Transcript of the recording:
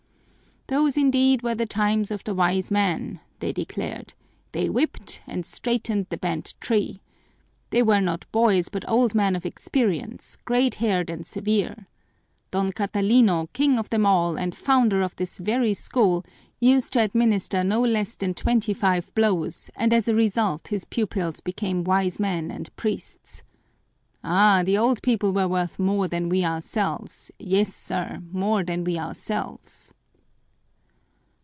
'Those indeed were the times of the wise men,' they declared, 'they whipped, and straightened the bent tree. They were not boys but old men of experience, gray haired and severe. Don Catalino, king of them all and founder of this very school, used to administer no less than twenty five blows and as a result his pupils became wise men and priests. Ah, the old people were worth more than we ourselves, yes, sir, more than we ourselves!'